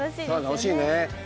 楽しいね。